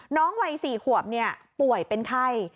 น้องวัย๔ขวบเนี่ยป่วยเป็นไข้